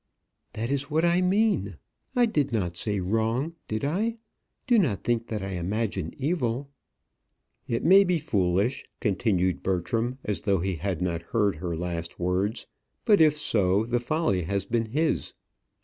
"That is what I mean. I did not say wrong; did I? Do not think that I imagine evil." "It may be foolish," continued Bertram, as though he had not heard her last words. "But if so, the folly has been his."